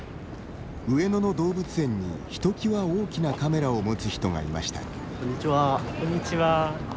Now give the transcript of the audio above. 上野の動物園にひときわ大きなカメラを持つ人がいました。